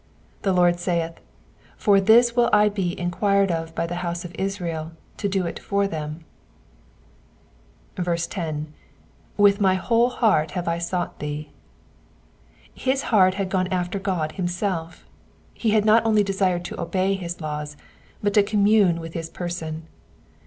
The Lord saith, For this will be enquired of by the house of Israel to do it for them." 10. ^'With my tohoU heart have I sought thee.'" His heart had gone after God himself : he had not only desired to obey his laws, but to commune with his person.